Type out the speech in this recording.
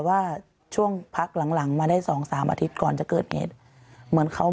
ว่าช่วงพักหลังหลังมาได้สองสามอาทิตย์ก่อนจะเกิดเหตุเหมือนเขา